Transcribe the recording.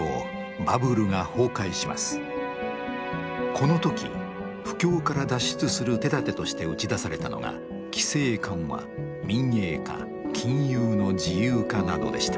この時不況から脱出する手だてとして打ち出されたのが規制緩和民営化金融の自由化などでした。